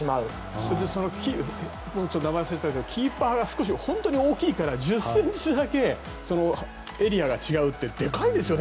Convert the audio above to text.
それで、名前忘れちゃったけどキーパーが本当に大きいから１０ｃｍだけエリアが違うってでかいですよね